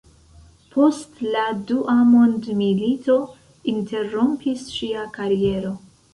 Post la dua mondmilito interrompis ŝia kariero.